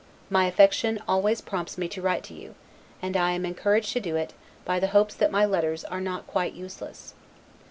My affection always prompts me to write to you; and I am encouraged to do it, by the hopes that my letters are not quite useless.